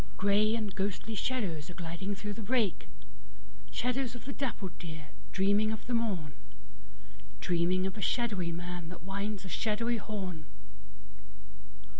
Grey and ghostly shadows are gliding through the brake; Shadows of the dappled deer, dreaming of the morn, Dreaming of a shadowy man that winds a shadowy horn.